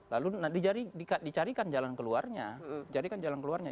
lalu dicarikan jalan keluarnya